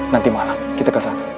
nanti malam kita ke sana